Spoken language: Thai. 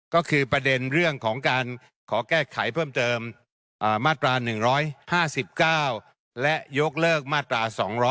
ก็คือประเด็นเรื่องของการขอแก้ไขเพิ่มเติมมาตรา๑๕๙และยกเลิกมาตรา๒๗